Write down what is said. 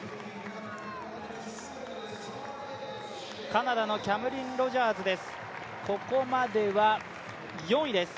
カナダのキャムリン・ロジャーズです。